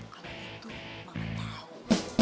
kalau gitu mama tau